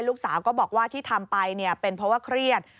ลูกสาวก็บอกว่าที่ทำไปเป็นเพราะว่าเครียด